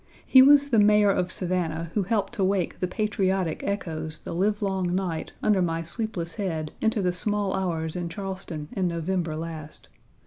He was the Mayor of Savannah who helped to wake the patriotic echoes the livelong night under my sleepless head into the small hours in Charleston in November last.